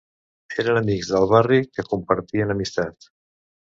Eren amics del barri que compartien amistat.